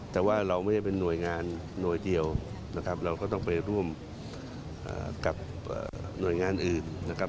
แต่ว่าเราไม่ได้เป็นหน่วยงานหน่วยเดียวนะครับเราก็ต้องไปร่วมกับหน่วยงานอื่นนะครับ